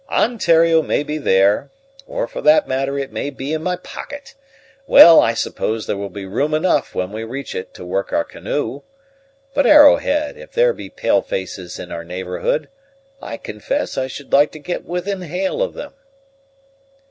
"Ontario may be there, or, for that matter, it may be in my pocket. Well, I suppose there will be room enough, when we reach it, to work our canoe. But Arrowhead, if there be pale faces in our neighborhood, I confess I should like to get within hail of them."